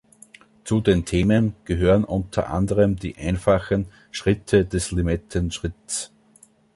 Zu den Themen gehören unter anderem die einfachen Schritte des Limettenschritts.